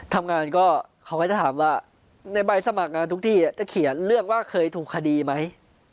ทำงานก็เขาก็จะถามว่าในใบสมัครงานทุกที่จะเขียนเรื่องว่าเคยถูกคดีไหม